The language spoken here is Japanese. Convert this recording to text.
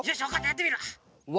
やってみるわ。